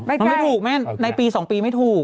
มันไม่ถูกแม่ในปีสองปีไม่ถูก